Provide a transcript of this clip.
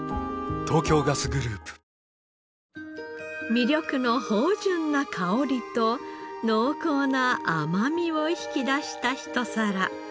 味緑の芳醇な香りと濃厚な甘みを引き出したひと皿。